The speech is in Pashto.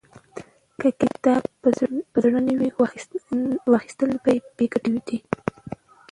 که کتاب په زړه نه وي، واخستل یې بې ګټې دی.